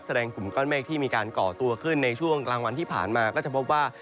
กลุ่มก้อนเมฆที่มีการก่อตัวขึ้นในช่วงกลางวันที่ผ่านมาก็จะพบว่า